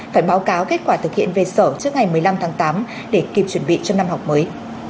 phải báo cáo kết quả thực hiện về sở trước ngày một mươi năm tháng tám để kịp chuẩn bị cho năm học mới